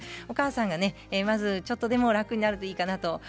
お母さんがまずちょっとでも楽になればいいかなと。